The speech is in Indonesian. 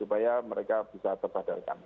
supaya mereka bisa terpadam